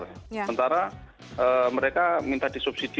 sementara mereka minta disubsidi